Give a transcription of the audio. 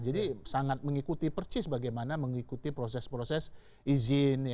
jadi sangat mengikuti percis bagaimana mengikuti proses proses izin